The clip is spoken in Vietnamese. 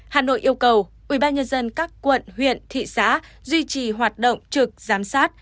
hà nội yêu cầu ubnd các quận huyện thị xã duy trì hoạt động trực giám sát